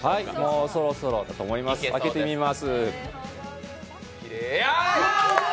もうそろそろだと思います開けてみます。